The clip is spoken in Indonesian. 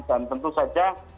dan tentu saja